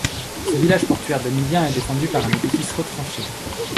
Ce village portuaire danubien est défendu par un édifice retranché.